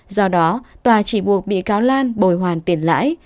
do đó tòa chỉ buộc bị cáo lan bồi hoàn tiền lãi